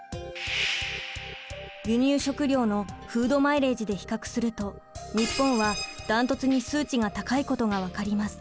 輸入食料のフード・マイレージで比較すると日本はダントツに数値が高いことが分かります。